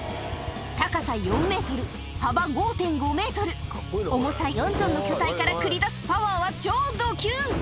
高さ４メートル、幅５．５メートル、重さ４トンの巨体から繰り出すパワーは超ド級。